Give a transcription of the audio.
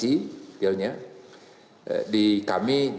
di kami dirjen perdagangan